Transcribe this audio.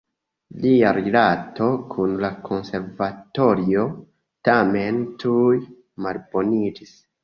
Lia rilato kun la konservatorio tamen tuj malboniĝis.